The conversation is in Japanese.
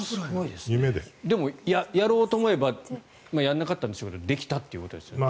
でも、やろうと思えばやらなかったんでしょうけどできたということですよね。